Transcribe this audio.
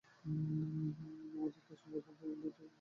এখন আমাদিগকে সাংখ্যদের এই তিনটি মত খণ্ডন করিতে হইবে।